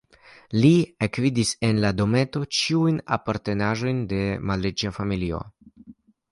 Li ekvidis en la dometo ĉiujn apartenaĵojn de malriĉa familio.